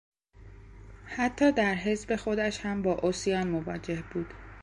حتی در حزب خودش هم با عصیان مواجه بود.